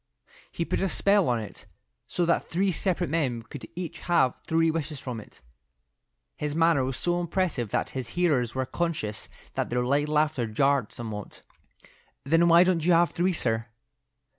He put a spell on it so that three separate men could each have three wishes from it." His manner was so impressive that his hearers were conscious that their light laughter jarred somewhat. "Well, why don't you have three, sir?"